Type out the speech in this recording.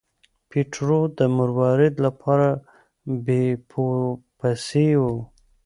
پیټرو د مروارید لپاره بیپو پسې و.